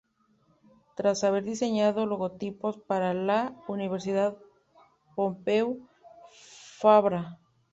Tras haber diseñado logotipos para la Universidad Pompeu Fabra.